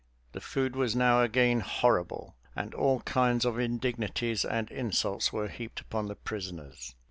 The food was now again horrible, and all kinds of indignities and insults were heaped upon the prisoners.